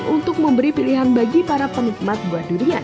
untuk memberi pilihan bagi para penikmat buah durian